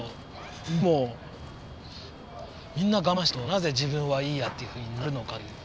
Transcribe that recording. でもみんな我慢してることをなぜ自分はいいやっていうふうになるのかっていう。